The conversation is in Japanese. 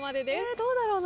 どうだろうな。